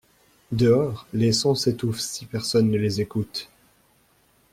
Dehors, les sons s’étouffent si personne ne les écoute.